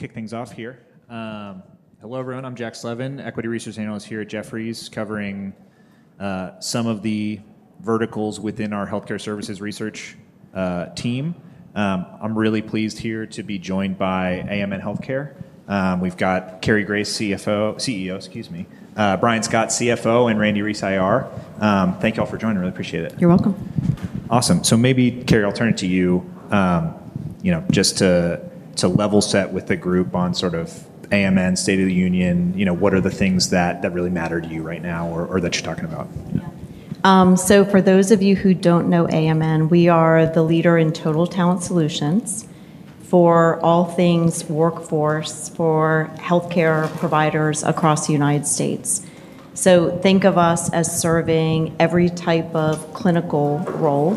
We'll kick things off here. Hello everyone. I'm Jack Slevin, Equity Research Analyst here at Jefferies LLC, covering some of the verticals within our Healthcare Services research team. I'm really pleased here to be joined by AMN Healthcare Services Inc. We've got Cary Grace, CEO, Brian Scott, CFO, and Randy Reece, IR. Thank you all for joining. I really appreciate it. You're welcome. Awesome. Maybe, Cary, I'll turn it to you. Just to level set with the group on sort of AMN, state of the union, what are the things that really matter to you right now or that you're talking about? For those of you who don't know AMN Healthcare Services Inc., we are the leader in total talent solutions for all things workforce for healthcare providers across the U.S. Think of us as serving every type of clinical role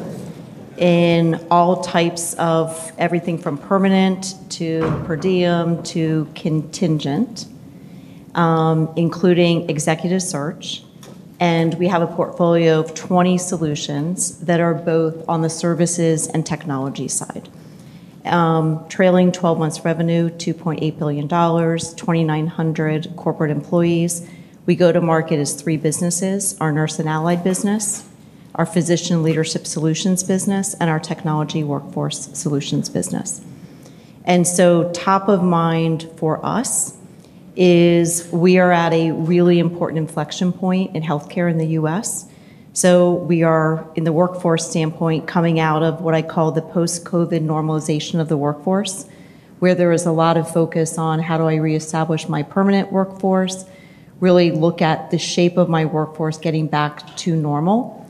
in all types of everything from permanent to per diem to contingent, including executive search. We have a portfolio of 20 solutions that are both on the services and technology side. Trailing twelve-month revenue is $2.8 billion, 2,900 corporate employees. We go to market as three businesses: our Nurse and Allied Solutions business, our Physician and Leadership Solutions business, and our Technology and Workforce Solutions business. Top of mind for us is we are at a really important inflection point in healthcare in the U.S. From the workforce standpoint, we are coming out of what I call the post-COVID normalization of the workforce, where there is a lot of focus on how do I reestablish my permanent workforce, really look at the shape of my workforce getting back to normal.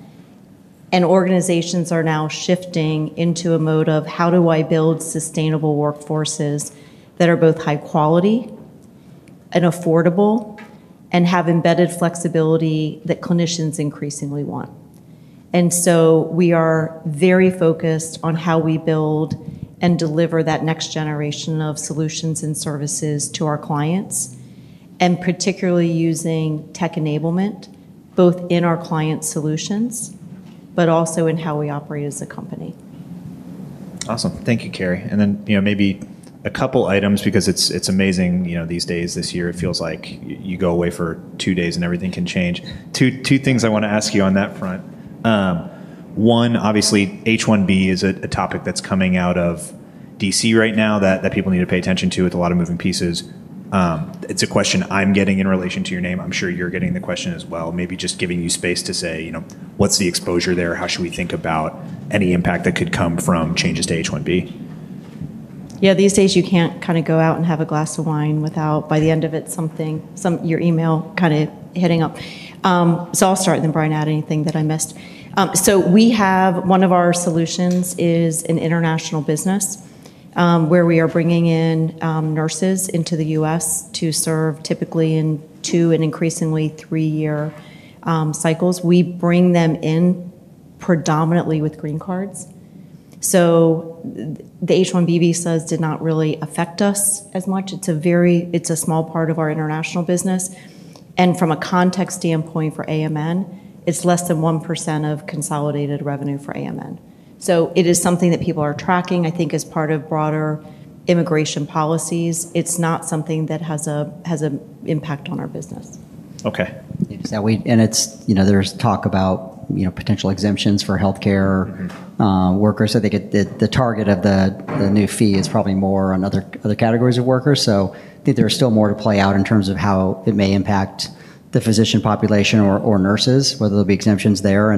Organizations are now shifting into a mode of how do I build sustainable workforces that are both high quality and affordable and have embedded flexibility that clinicians increasingly want. We are very focused on how we build and deliver that next generation of solutions and services to our clients, and particularly using tech enablement both in our client solutions, but also in how we operate as a company. Awesome. Thank you, Cary. Maybe a couple items because it's amazing, these days, this year, it feels like you go away for two days and everything can change. Two things I want to ask you on that front. One, obviously, H1B is a topic that's coming out of D.C. right now that people need to pay attention to with a lot of moving pieces. It's a question I'm getting in relation to your name. I'm sure you're getting the question as well. Maybe just giving you space to say, you know, what's the exposure there? How should we think about any impact that could come from changes to H1B? Yeah, these days you can't kind of go out and have a glass of wine without, by the end of it, something, your email kind of hitting up. I'll start and then Brian, add anything that I missed. We have one of our solutions is an international business, where we are bringing in, nurses into the U.S. to serve typically in two and increasingly three-year cycles. We bring them in predominantly with green cards. The H1B visas did not really affect us as much. It's a very, it's a small part of our international business. From a context standpoint for AMN Healthcare Services Inc., it's less than 1% of consolidated revenue for AMN. It is something that people are tracking. I think as part of broader immigration policies, it's not something that has an impact on our business. Okay. Yeah, we, and it's, you know, there's talk about, you know, potential exemptions for healthcare workers. I think the target of the new fee is probably more on other categories of workers. I think there's still more to play out in terms of how it may impact the physician population or nurses, whether there'll be exemptions there.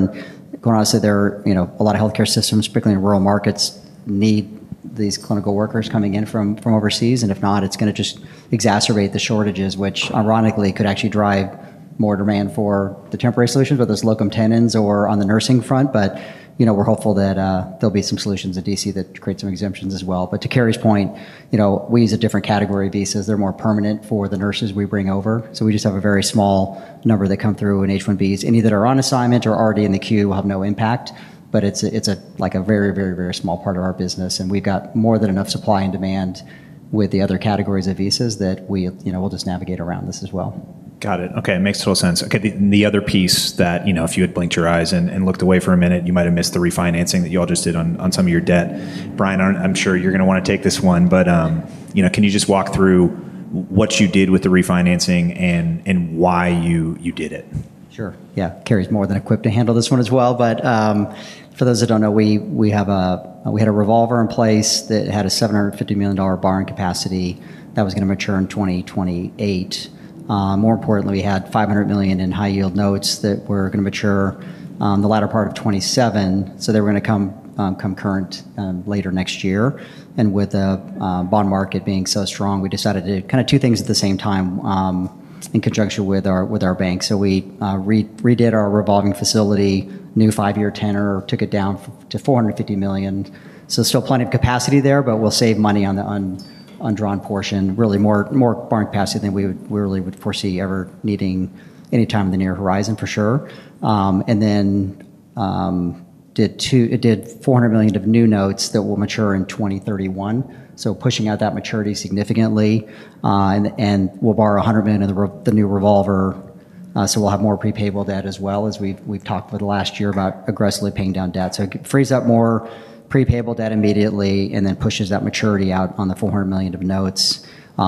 I'd say a lot of healthcare systems, particularly in rural markets, need these clinical workers coming in from overseas. If not, it's going to just exacerbate the shortages, which ironically could actually drive more demand for the temporary solutions, whether it's locum tenens or on the nursing front. We're hopeful that there'll be some solutions in D.C. that create some exemptions as well. To Cary's point, we use a different category of visas. They're more permanent for the nurses we bring over. We just have a very small number that come through in H1B visas. Any that are on assignment or already in the queue will have no impact. It's a very, very, very small part of our business. We've got more than enough supply and demand with the other categories of visas that we, you know, we'll just navigate around this as well. Got it. Okay. It makes total sense. The other piece that, if you had blinked your eyes and looked away for a minute, you might have missed the refinancing that you all just did on some of your debt. Brian, I'm sure you're going to want to take this one, but can you just walk through what you did with the refinancing and why you did it? Sure. Yeah. Cary's more than equipped to handle this one as well. For those that don't know, we had a revolver in place that had a $750 million borrowing capacity that was going to mature in 2028. More importantly, we had $500 million in high-yield notes that were going to mature the latter part of 2027. They were going to come concurrent later next year. With the bond market being so strong, we decided to kind of do things at the same time in conjunction with our bank. We redid our revolving facility, new five-year tenor, took it down to $450 million. Still plenty of capacity there, but we'll save money on the undrawn portion, really more borrowing capacity than we really would foresee ever needing any time in the near horizon for sure. We did $400 million of new notes that will mature in 2031, pushing out that maturity significantly. We'll borrow $100 million in the new revolver. We'll have more prepayable debt as well, as we've talked for the last year about aggressively paying down debt. It frees up more prepayable debt immediately and then pushes that maturity out on the $400 million of notes.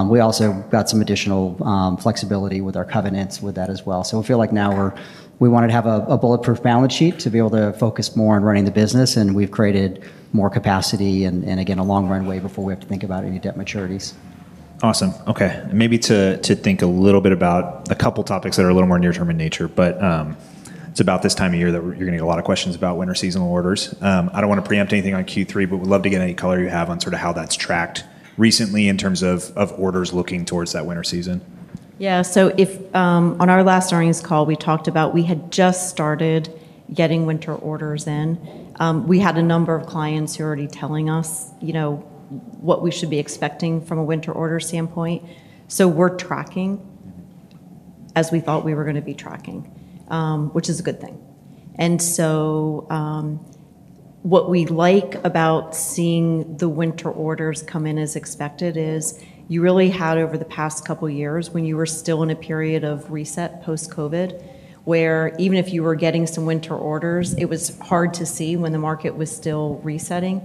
We also got some additional flexibility with our covenants with that as well. We feel like now we wanted to have a bulletproof balance sheet to be able to focus more on running the business. We've created more capacity and, again, a long runway before we have to think about any debt maturities. Awesome. Okay. Maybe to think a little bit about a couple of topics that are a little more near-term in nature, it's about this time of year that you're going to get a lot of questions about winter seasonal orders. I don't want to preempt anything on Q3, but we'd love to get any color you have on sort of how that's tracked recently in terms of orders looking towards that winter season. Yeah. On our last earnings call, we talked about we had just started getting winter orders in. We had a number of clients who are already telling us, you know, what we should be expecting from a winter order standpoint. We're tracking as we thought we were going to be tracking, which is a good thing. What we like about seeing the winter orders come in as expected is you really had over the past couple of years when you were still in a period of reset post-COVID normalization, where even if you were getting some winter orders, it was hard to see when the market was still resetting.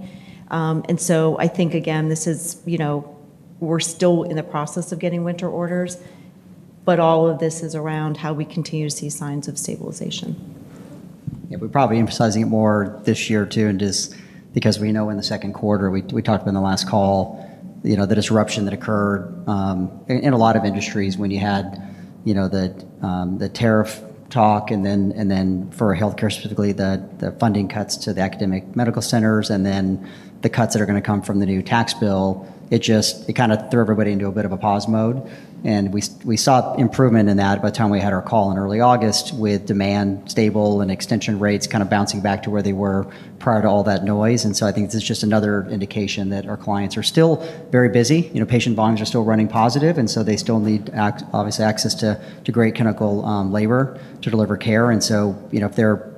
I think, again, this is, you know, we're still in the process of getting winter orders, but all of this is around how we continue to see signs of stabilization. Yeah, we're probably emphasizing it more this year too, just because we know in the second quarter, we talked about in the last call the disruption that occurred in a lot of industries when you had the tariff talk and then for healthcare specifically, the funding cuts to the academic medical centers and then the cuts that are going to come from the new tax bill. It just kind of threw everybody into a bit of a pause mode. We saw improvement in that by the time we had our call in early August with demand stable and extension rates kind of bouncing back to where they were prior to all that noise. I think this is just another indication that our clients are still very busy. Patient volumes are still running positive. They still need, obviously, access to great clinical labor to deliver care.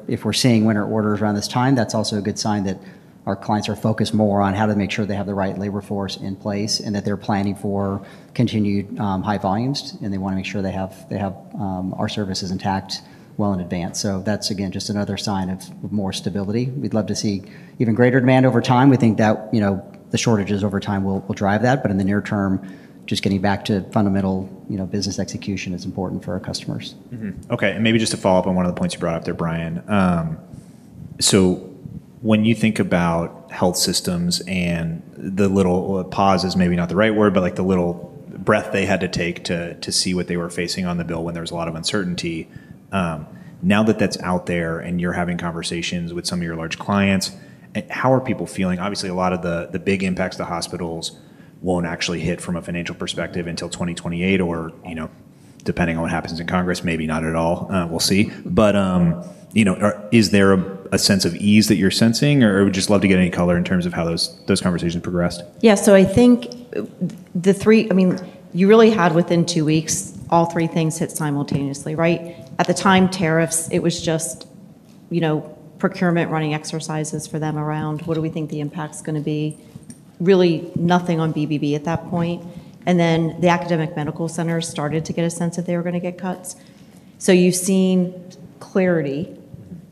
If we're seeing winter orders around this time, that's also a good sign that our clients are focused more on how to make sure they have the right labor force in place and that they're planning for continued high volumes. They want to make sure they have our services intact well in advance. That's, again, just another sign of more stability. We'd love to see even greater demand over time. We think that the shortages over time will drive that. In the near term, just getting back to fundamental business execution is important for our customers. Okay. Maybe just to follow up on one of the points you brought up there, Brian. When you think about health systems and the little pause is maybe not the right word, but like the little breath they had to take to see what they were facing on the bill when there was a lot of uncertainty. Now that that's out there and you're having conversations with some of your large clients, how are people feeling? Obviously, a lot of the big impacts to hospitals won't actually hit from a financial perspective until 2028 or, you know, depending on what happens in Congress, maybe not at all. We'll see. Is there a sense of ease that you're sensing? We'd just love to get any color in terms of how those conversations progressed. Yeah. I think the three, I mean, you really had within two weeks, all three things hit simultaneously, right? At the time, tariffs, it was just procurement running exercises for them around what do we think the impact's going to be? Really nothing on BBB at that point. The academic medical centers started to get a sense that they were going to get cuts. You've seen clarity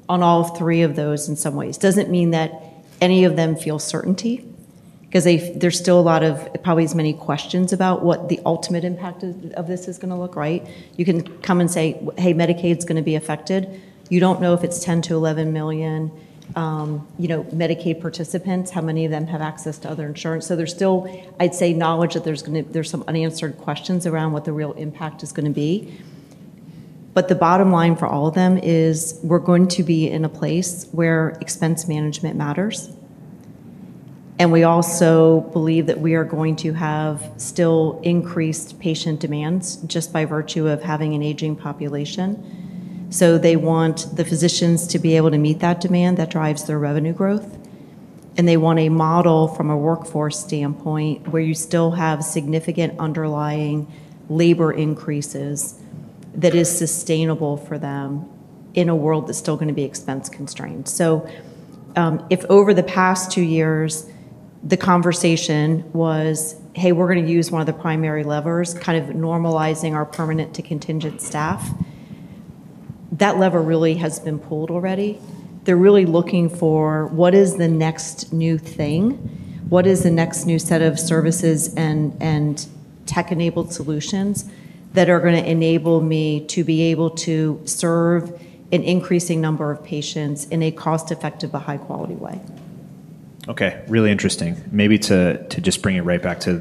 on all three of those in some ways. It doesn't mean that any of them feel certainty because there's still probably as many questions about what the ultimate impact of this is going to look like. You can come and say, "Hey, Medicaid's going to be affected." You don't know if it's 10-11 million Medicaid participants, how many of them have access to other insurance. There's still, I'd say, knowledge that there's some unanswered questions around what the real impact is going to be. The bottom line for all of them is we're going to be in a place where expense management matters. We also believe that we are going to have still increased patient demands just by virtue of having an aging population. They want the physicians to be able to meet that demand that drives their revenue growth. They want a model from a workforce standpoint where you still have significant underlying labor increases that are sustainable for them in a world that's still going to be expense constrained. If over the past two years, the conversation was, "Hey, we're going to use one of the primary levers, kind of normalizing our permanent to contingent staff," that lever really has been pulled already. They're really looking for what is the next new thing, what is the next new set of services and tech-enabled solutions that are going to enable me to be able to serve an increasing number of patients in a cost-effective but high-quality way. Okay. Really interesting. Maybe to just bring it right back to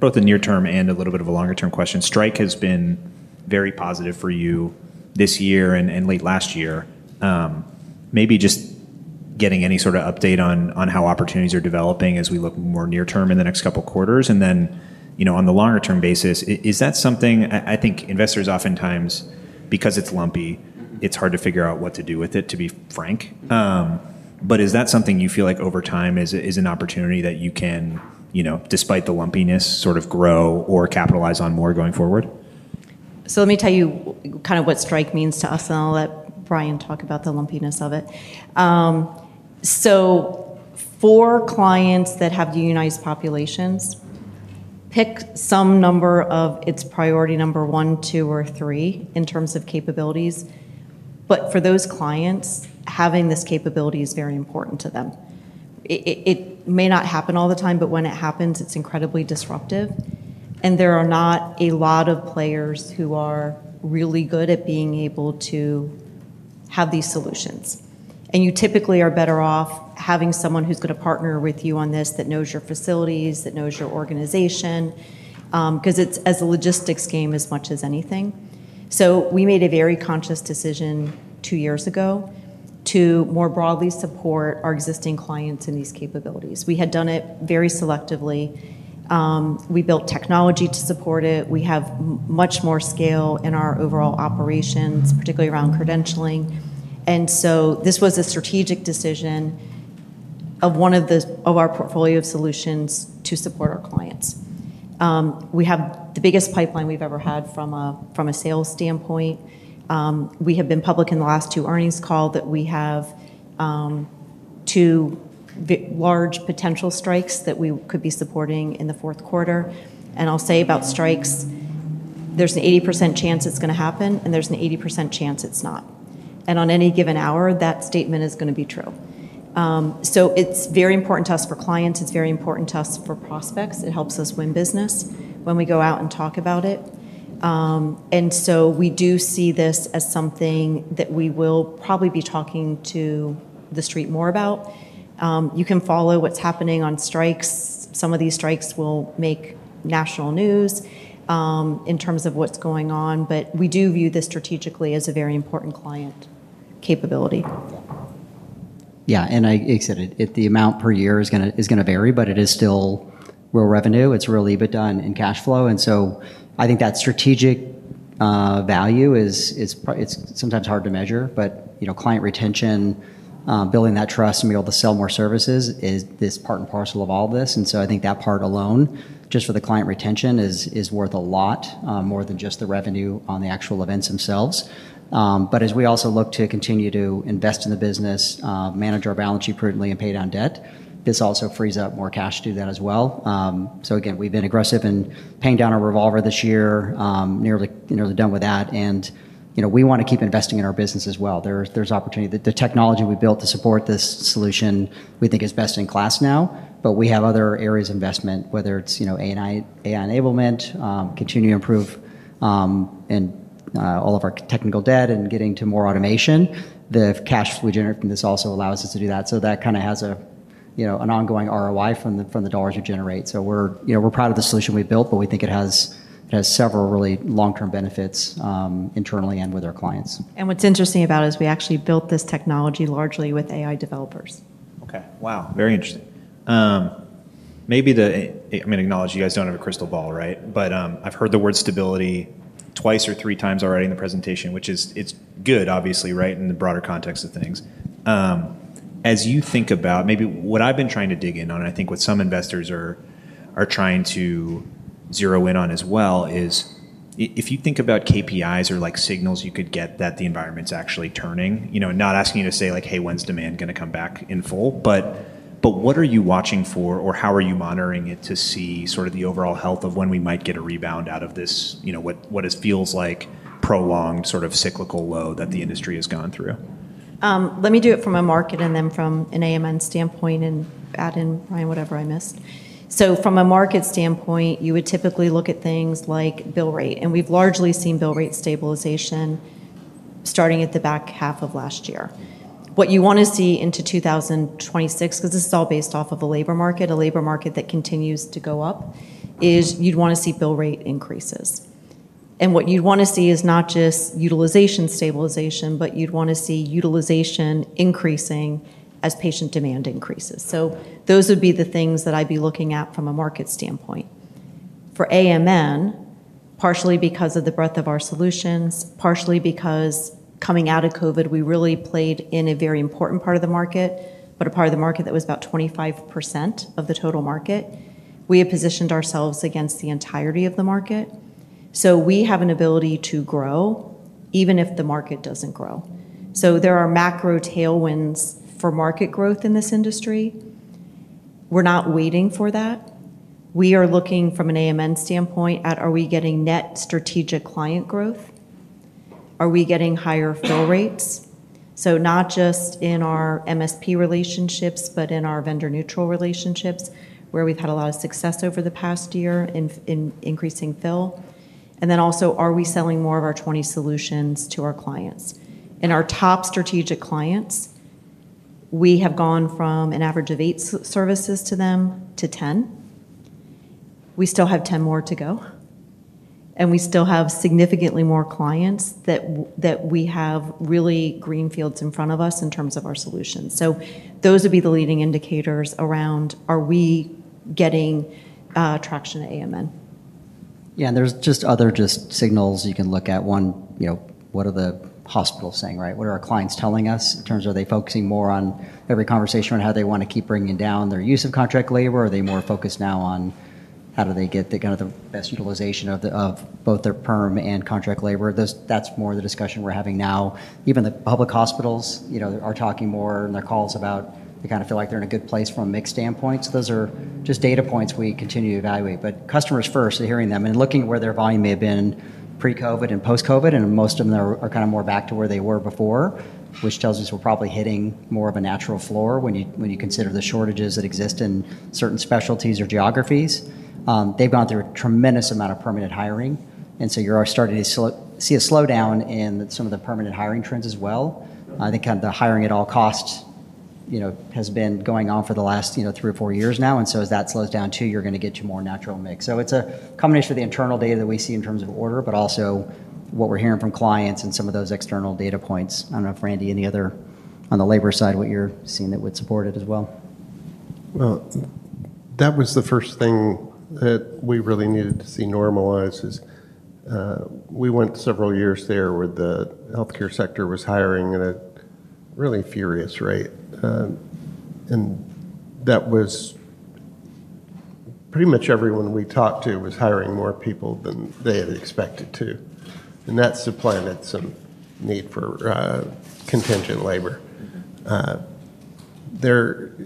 both the near-term and a little bit of a longer-term question. Strike has been very positive for you this year and late last year. Maybe just getting any sort of update on how opportunities are developing as we look more near-term in the next couple of quarters. On the longer-term basis, is that something I think investors oftentimes, because it's lumpy, it's hard to figure out what to do with it, to be frank. Is that something you feel like over time is an opportunity that you can, despite the lumpiness, sort of grow or capitalize on more going forward? Let me tell you kind of what strike means to us, and I'll let Brian talk about the lumpiness of it. For clients that have unionized populations, pick some number if it's priority number one, two, or three in terms of capabilities. For those clients, having this capability is very important to them. It may not happen all the time, but when it happens, it's incredibly disruptive. There are not a lot of players who are really good at being able to have these solutions. You typically are better off having someone who's going to partner with you on this that knows your facilities, that knows your organization, because it's as much a logistics game as anything. We made a very conscious decision two years ago to more broadly support our existing clients in these capabilities. We had done it very selectively. We built technology to support it. We have much more scale in our overall operations, particularly around credentialing. This was a strategic decision of one of our portfolio solutions to support our clients. We have the biggest pipeline we've ever had from a sales standpoint. We have been public in the last two earnings calls that we have two large potential strikes that we could be supporting in the fourth quarter. I'll say about strikes, there's an 80% chance it's going to happen, and there's an 80% chance it's not. On any given hour, that statement is going to be true. It's very important to us for clients. It's very important to us for prospects. It helps us win business when we go out and talk about it. We do see this as something that we will probably be talking to the street more about. You can follow what's happening on strikes. Some of these strikes will make national news in terms of what's going on. We do view this strategically as a very important client capability. Yeah. I said it, the amount per year is going to vary, but it is still real revenue, it's real EBITDA and cash flow. I think that strategic value is sometimes hard to measure. You know, client retention, building that trust, and being able to sell more services is part and parcel of all of this. I think that part alone, just for the client retention, is worth a lot more than just the revenue on the actual events themselves. As we also look to continue to invest in the business, manage our balance sheet prudently, and pay down debt, this also frees up more cash to do that as well. We've been aggressive in paying down our revolver this year, nearly done with that. You know, we want to keep investing in our business as well. There's opportunity. The technology we built to support this solution, we think, is best in class now. We have other areas of investment, whether it's AI enablement, continuing to improve all of our technical debt and getting to more automation. The cash we generate from this also allows us to do that. That kind of has an ongoing ROI from the dollars you generate. We're proud of the solution we built, but we think it has several really long-term benefits internally and with our clients. What's interesting about it is we actually built this technology largely with AI developers. Okay. Wow. Very interesting. Maybe I'm going to acknowledge you guys don't have a crystal ball, right? I've heard the word stability twice or three times already in the presentation, which is good, obviously, in the broader context of things. As you think about maybe what I've been trying to dig in on, I think what some investors are trying to zero in on as well is if you think about KPIs or signals you could get that the environment's actually turning, you know, not asking you to say like, "Hey, when's demand going to come back in full?" What are you watching for or how are you monitoring it to see the overall health of when we might get a rebound out of this, what it feels like prolonged cyclical low that the industry has gone through? Let me do it from a market and then from an AMN standpoint and add in whatever I missed. From a market standpoint, you would typically look at things like bill rate. We've largely seen bill rate stabilization starting at the back half of last year. What you want to see into 2026, because this is all based off of a labor market, a labor market that continues to go up, is you'd want to see bill rate increases. What you'd want to see is not just utilization stabilization, but you'd want to see utilization increasing as patient demand increases. Those would be the things that I'd be looking at from a market standpoint. For AMN, partially because of the breadth of our solutions, partially because coming out of COVID, we really played in a very important part of the market, but a part of the market that was about 25% of the total market. We have positioned ourselves against the entirety of the market. We have an ability to grow even if the market doesn't grow. There are macro tailwinds for market growth in this industry. We're not waiting for that. We are looking from an AMN standpoint at are we getting net strategic client growth? Are we getting higher fill rates? Not just in our MSP relationships, but in our vendor-neutral relationships where we've had a lot of success over the past year in increasing fill. Also, are we selling more of our 20 solutions to our clients? In our top strategic clients, we have gone from an average of eight services to them to 10. We still have 10 more to go. We still have significantly more clients that we have really greenfields in front of us in terms of our solutions. Those would be the leading indicators around are we getting traction at AMN. Yeah, and there's just other signals you can look at. One, you know, what are the hospitals saying, right? What are our clients telling us in terms of are they focusing more on every conversation on how they want to keep bringing down their use of contract labor? Are they more focused now on how do they get the kind of the best utilization of both their perm and contract labor? That's more of the discussion we're having now. Even the public hospitals, you know, are talking more in their calls about they kind of feel like they're in a good place from a mix standpoint. Those are just data points we continue to evaluate. Customers first, hearing them and looking at where their volume may have been pre-COVID and post-COVID, and most of them are kind of more back to where they were before, which tells me we're probably hitting more of a natural floor when you consider the shortages that exist in certain specialties or geographies. They've gone through a tremendous amount of permanent hiring. You're starting to see a slowdown in some of the permanent hiring trends as well. I think kind of the hiring at all costs has been going on for the last three or four years now. As that slows down too, you're going to get to a more natural mix. It's a combination of the internal data that we see in terms of order, but also what we're hearing from clients and some of those external data points. I don't know if Randy and the other on the labor side, what you're seeing that would support it as well. That was the first thing that we really needed to see normalize, as we went several years there where the healthcare sector was hiring at a really furious rate. That was pretty much everyone we talked to, hiring more people than they had expected to, and that supplanted some need for contingent labor. There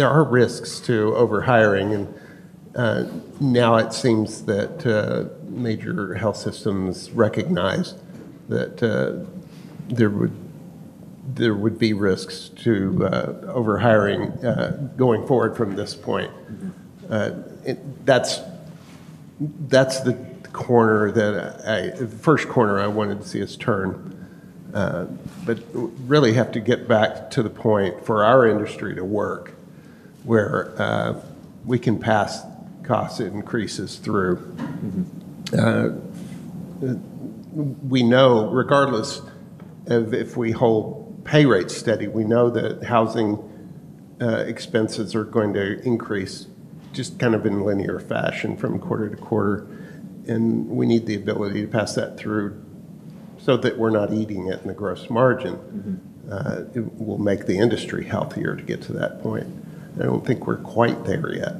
are risks to overhiring. Now it seems that major health systems recognize that there would be risks to overhiring going forward from this point. That's the corner that I, the first corner I wanted to see us turn. We really have to get back to the point for our industry to work where we can pass cost increases through. We know regardless of if we hold pay rates steady, we know that housing expenses are going to increase just kind of in a linear fashion from quarter to quarter, and we need the ability to pass that through so that we're not eating it in the gross margin. It will make the industry healthier to get to that point. I don't think we're quite there yet.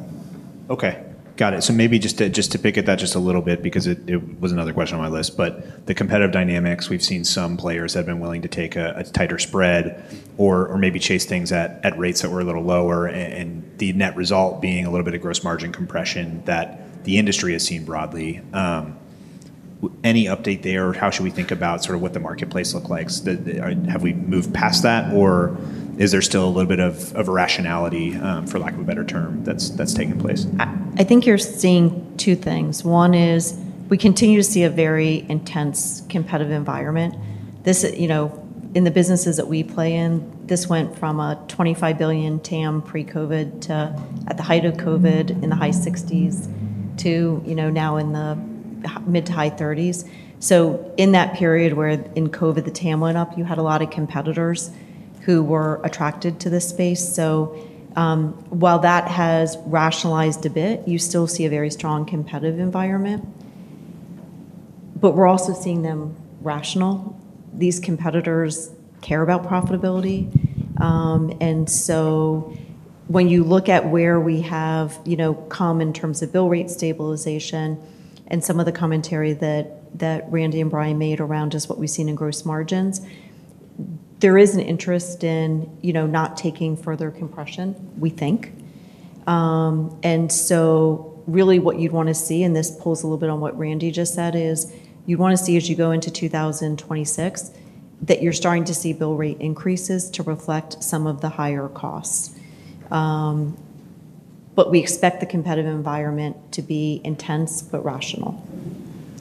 Okay. Got it. Maybe just to pick at that just a little bit because it was another question on my list. The competitive dynamics, we've seen some players that have been willing to take a tighter spread or maybe chase things at rates that were a little lower, and the net result being a little bit of gross margin compression that the industry has seen broadly. Any update there? How should we think about sort of what the marketplace looks like? Have we moved past that, or is there still a little bit of irrationality, for lack of a better term, that's taking place? I think you're seeing two things. One is we continue to see a very intense competitive environment. In the businesses that we play in, this went from a $25 billion TAM pre-COVID to at the height of COVID in the high $60 billion to now in the mid to high $30 billion. In that period where in COVID the TAM went up, you had a lot of competitors who were attracted to this space. While that has rationalized a bit, you still see a very strong competitive environment. We're also seeing them rational. These competitors care about profitability. When you look at where we have come in terms of bill rate stabilization and some of the commentary that Randy and Brian made around just what we've seen in gross margins, there is an interest in not taking further compression, we think. What you'd want to see, and this pulls a little bit on what Randy just said, is you want to see as you go into 2026 that you're starting to see bill rate increases to reflect some of the higher costs. We expect the competitive environment to be intense but rational.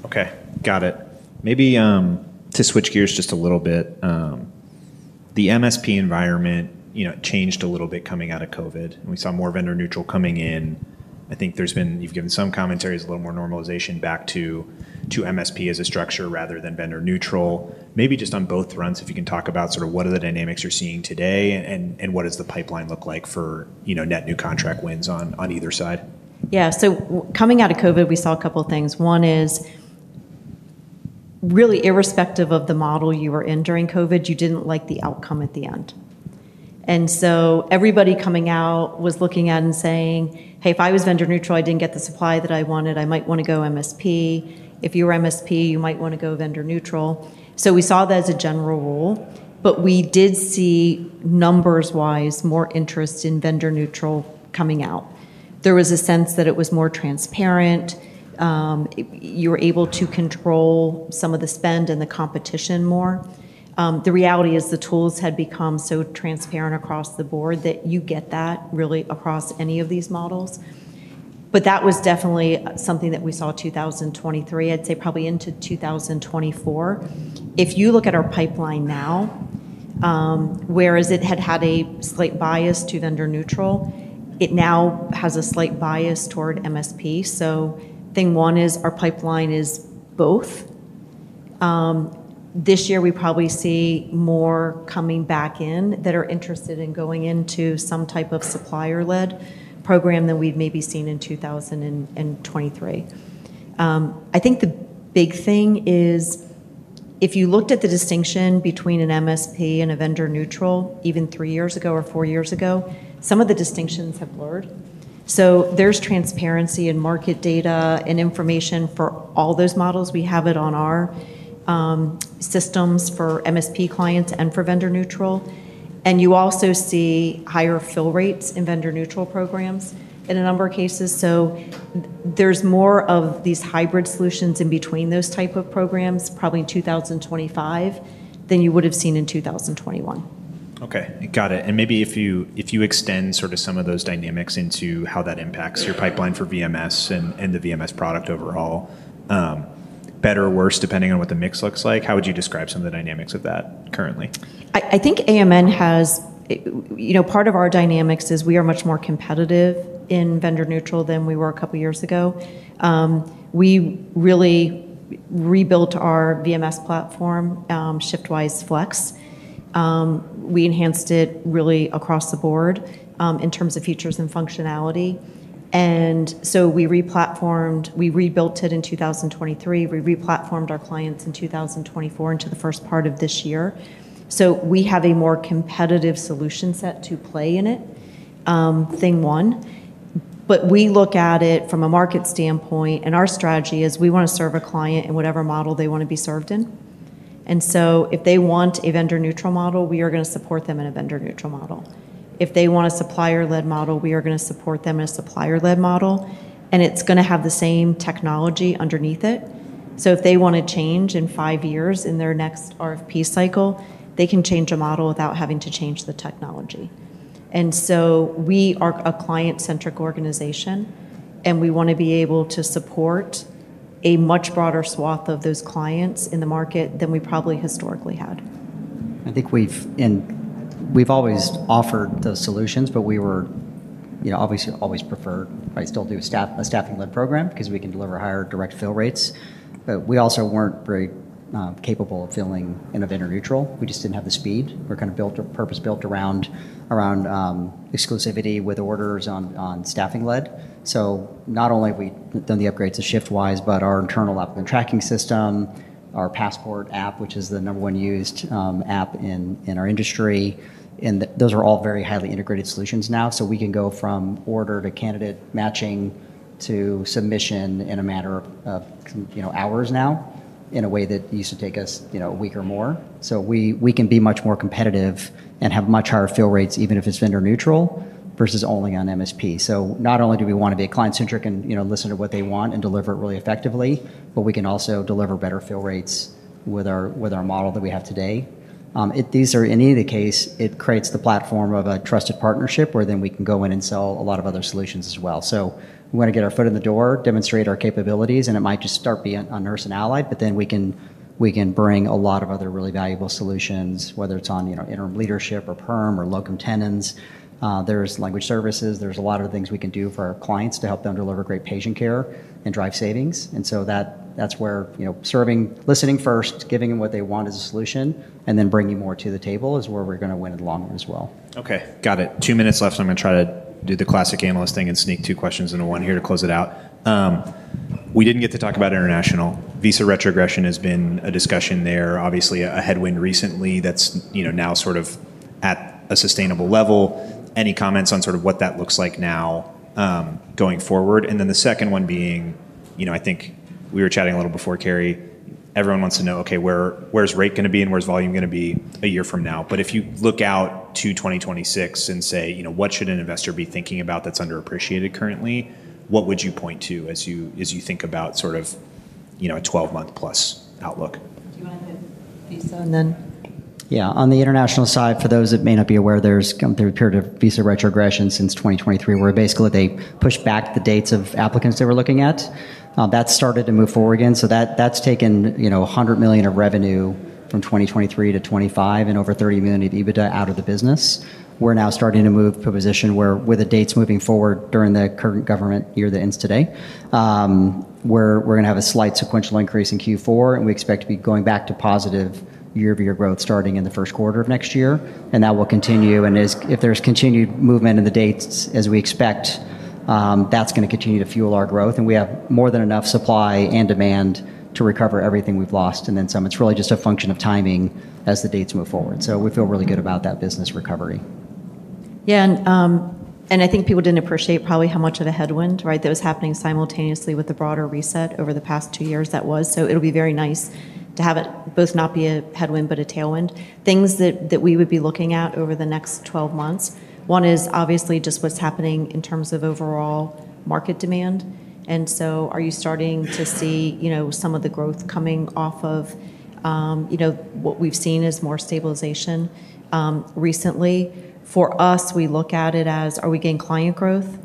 Okay. Got it. Maybe to switch gears just a little bit, the MSP environment, you know, it changed a little bit coming out of COVID. We saw more vendor-neutral coming in. I think there's been, you've given some commentaries, a little more normalization back to MSP as a structure rather than vendor-neutral. Maybe just on both fronts, if you can talk about sort of what are the dynamics you're seeing today and what does the pipeline look like for, you know, net new contract wins on either side? Yeah. Coming out of COVID, we saw a couple of things. One is really irrespective of the model you were in during COVID, you didn't like the outcome at the end. Everybody coming out was looking at it and saying, "Hey, if I was vendor neutral, I didn't get the supply that I wanted. I might want to go MSP. If you were MSP, you might want to go vendor neutral." We saw that as a general rule. We did see numbers-wise more interest in vendor neutral coming out. There was a sense that it was more transparent. You were able to control some of the spend and the competition more. The reality is the tools had become so transparent across the board that you get that really across any of these models. That was definitely something that we saw in 2023, probably into 2024. If you look at our pipeline now, whereas it had had a slight bias to vendor neutral, it now has a slight bias toward MSP. Thing one is our pipeline is both. This year we probably see more coming back in that are interested in going into some type of supplier-led program than we've maybe seen in 2023. I think the big thing is if you looked at the distinction between an MSP and a vendor neutral, even three years ago or four years ago, some of the distinctions have blurred. There's transparency in market data and information for all those models. We have it on our systems for MSP clients and for vendor neutral. You also see higher fill rates in vendor neutral programs in a number of cases. There are more of these hybrid solutions in between those types of programs probably in 2025 than you would have seen in 2021. Okay. Got it. Maybe if you extend sort of some of those dynamics into how that impacts your pipeline for VMS and the VMS product overall, better or worse, depending on what the mix looks like, how would you describe some of the dynamics of that currently? I think AMN has, you know, part of our dynamics is we are much more competitive in vendor-neutral than we were a couple of years ago. We really rebuilt our VMS platform, ShiftWise Flex. We enhanced it really across the board in terms of features and functionality. We rebuilt it in 2023. We replatformed our clients in 2024 into the first part of this year. We have a more competitive solution set to play in it, thing one. We look at it from a market standpoint, and our strategy is we want to serve a client in whatever model they want to be served in. If they want a vendor-neutral model, we are going to support them in a vendor-neutral model. If they want a supplier-led model, we are going to support them in a supplier-led model, and it's going to have the same technology underneath it. If they want to change in five years in their next RFP cycle, they can change a model without having to change the technology. We are a client-centric organization, and we want to be able to support a much broader swath of those clients in the market than we probably historically had. I think we've always offered those solutions, but we were obviously always preferred. I still do a staffing-led program because we can deliver higher direct fill rates. We also weren't very capable of filling in a vendor-neutral environment. We just didn't have the speed. We're kind of purpose built around exclusivity with orders on staffing-led. Not only have we done the upgrades to ShiftWise Flex, but our internal applicant tracking system, our AMN Passport app, which is the number one used app in our industry, and those are all very highly integrated solutions now. We can go from order to candidate matching to submission in a matter of hours now in a way that used to take us a week or more. We can be much more competitive and have much higher fill rates even if it's vendor-neutral versus only on MSP. Not only do we want to be client-centric and listen to what they want and deliver it really effectively, but we can also deliver better fill rates with our model that we have today. If these are any of the case, it creates the platform of a trusted partnership where we can go in and sell a lot of other solutions as well. We want to get our foot in the door, demonstrate our capabilities, and it might just start being a Nurse and Allied Solutions, but then we can bring a lot of other really valuable solutions, whether it's on interim leadership or perm or locum tenens. There's language services. There are a lot of things we can do for our clients to help them deliver great patient care and drive savings. That's where serving, listening first, giving them what they want as a solution, and then bringing more to the table is where we're going to win in the long run as well. Okay. Got it. Two minutes left. I'm going to try to do the classic analyst thing and sneak two questions into one here to close it out. We didn't get to talk about international. Visa retrogression has been a discussion there, obviously a headwind recently that's now sort of at a sustainable level. Any comments on sort of what that looks like now going forward? The second one being, I think we were chatting a little before, Cary, everyone wants to know, okay, where's rate going to be and where's volume going to be a year from now? If you look out to 2026 and say, you know, what should an investor be thinking about that's underappreciated currently? What would you point to as you think about sort of a 12-month plus outlook? Do you want to do so then? Yeah. On the international side, for those that may not be aware, there's come through a period of visa retrogression since 2023 where basically they pushed back the dates of applicants they were looking at. That started to move forward again. That's taken, you know, $100 million of revenue from 2023-2025 and over $30 million of EBITDA out of the business. We're now starting to move to a position where with the dates moving forward during the current government year, that ends today, we're going to have a slight sequential increase in Q4, and we expect to be going back to positive year-over-year growth starting in the first quarter of next year. That will continue. If there's continued movement in the dates as we expect, that's going to continue to fuel our growth. We have more than enough supply and demand to recover everything we've lost, and then some. It's really just a function of timing as the dates move forward. We feel really good about that business recovery. Yeah. I think people didn't appreciate probably how much of a headwind that was happening simultaneously with the broader reset over the past two years. It'll be very nice to have it both not be a headwind but a tailwind. Things that we would be looking at over the next 12 months: one is obviously just what's happening in terms of overall market demand. Are you starting to see some of the growth coming off of what we've seen is more stabilization recently? For us, we look at it as are we getting client growth?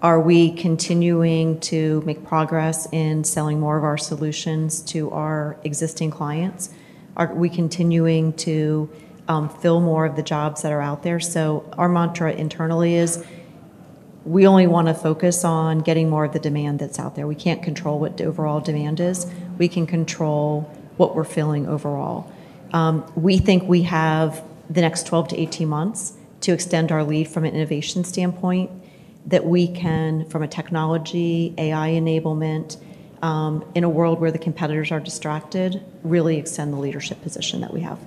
Are we continuing to make progress in selling more of our solutions to our existing clients? Are we continuing to fill more of the jobs that are out there? Our mantra internally is we only want to focus on getting more of the demand that's out there. We can't control what the overall demand is. We can control what we're filling overall. We think we have the next 12-18 months to extend our lead from an innovation standpoint that we can, from a technology, AI enablement, in a world where the competitors are distracted, really extend the leadership position that we have.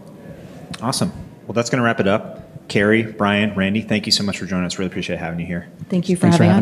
Awesome. That is going to wrap it up. Cary, Brian, Randy, thank you so much for joining us. Really appreciate having you here. Thank you for having us.